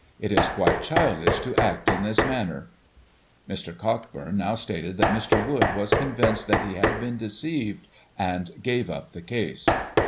It is quite childish to act in this manner." Mr. Cockbum now stated that Mr. Wood was convinced that he had been deceived, and gave up the case.